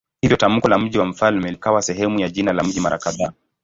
Hivyo tamko la "mji wa mfalme" likawa sehemu ya jina la mji mara kadhaa.